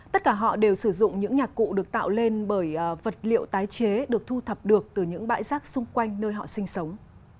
tất cả họ đều sử dụng những nhạc cụ được tạo lên bởi vật liệu tái chế được thu thập được từ những bãi rác xung quanh nơi họ sinh sống